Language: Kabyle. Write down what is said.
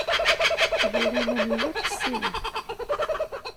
Rriɣ iman-iw ur tt-ssineɣ.